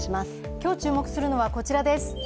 今日注目するのは、こちらです。